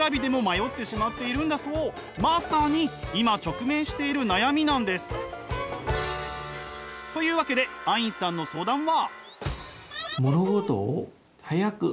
まさに今直面している悩みなんです。というわけでアインさんの相談は。